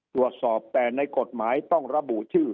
ตรวจสอบแต่ในกฎหมายต้องระบุชื่อ